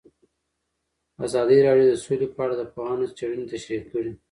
ازادي راډیو د سوله په اړه د پوهانو څېړنې تشریح کړې.